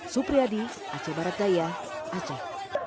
supriyadi aceh barat daya aceh